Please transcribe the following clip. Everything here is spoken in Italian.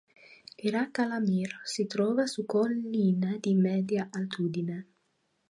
Iraq al Amir si trova su colline di media altitudine.